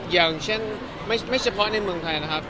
อย่างเช่นไม่เฉพาะในเมืองไทยนะครับ